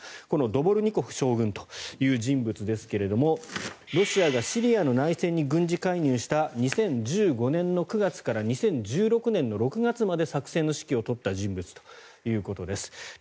このドボルニコフ将軍という人物ですがロシアがシリアの内戦に軍事介入した２０１５年９月から２０１６年の６月まで作戦の指揮を執った人物ということです。